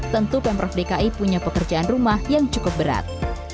tentu pemprov dki punya pekerjaan rumah yang cukup berat